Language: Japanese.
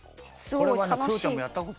これはクヨちゃんもやったことない。